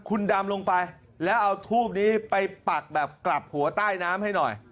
คุณดำลงไปแล้วเอาทูบนี้ไปปักแบบกลับหัวใต้น้ำให้หน่อย